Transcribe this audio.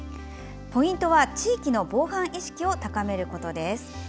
ポイントは、地域の防犯意識を高めることです。